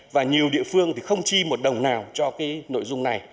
và nhiều địa phương không chi một đồng nào cho nội dung này